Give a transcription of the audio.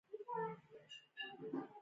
د چارمغز پوستکی د څه لپاره وکاروم؟